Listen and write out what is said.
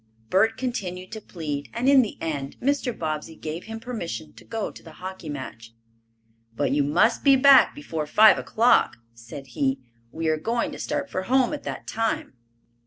Bert continued to plead, and in the end Mr. Bobbsey gave him permission to go to the hockey match. "But you must be back before five o'clock," said he. "We are going to start for home at that time."